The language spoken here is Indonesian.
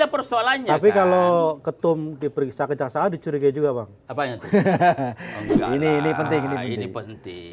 persoalannya tapi kalau ketum diperiksa kejaksaan dicurigai juga bang apanya ini penting ini menjadi penting